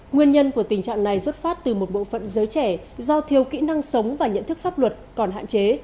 nguyên nhân của tình trạng này xuất phát từ một bộ phận giới trẻ do thiếu kỹ năng sống và nhận thức pháp luật còn hạn chế